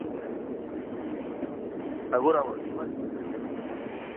Agora volvo, vale?